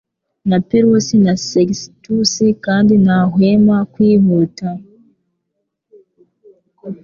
na Pirusi na Sextus kandi ntahwema kwihuta